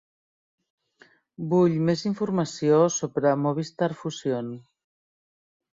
Vull més informació sobre Movistar Fusión.